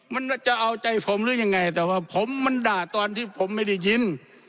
มันจะเอาใจผมหรือยังไงแต่ว่าผมมันด่าตอนที่ผมไม่ได้ยิน